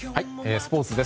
スポーツです。